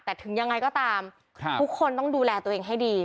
แต่ถึงยังไงก็ตามทุกคนต้องดูแลตัวเองให้ดี